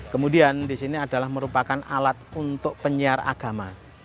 kemudian di sini adalah merupakan alat untuk penyiar agama